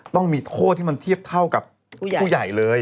ต้องมีโทษที่มันเทียบเท่ากับผู้ใหญ่เลย